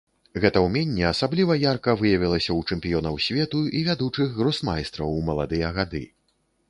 Гэта ўменне асабліва ярка выявілася ў чэмпіёнаў свету і вядучых гросмайстраў у маладыя гады.